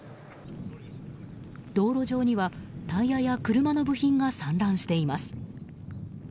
道路上にはタイヤや車の部品が散乱しています。